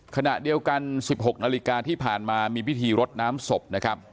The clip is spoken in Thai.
ขณะเดียวกัน๑๖นาฬิกาที่ผ่านมามีพิธีรดน้ำศพนะครับ